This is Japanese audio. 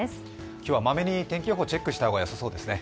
今日はマメに天気予報、チェックした方がよさそうですね。